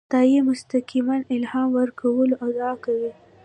خدای مستقیماً الهام ورکولو ادعا کوي.